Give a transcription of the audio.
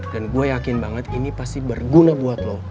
dan gue yakin banget ini pasti berguna buat lu